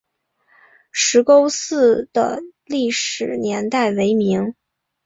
石沟寺的历史年代为明。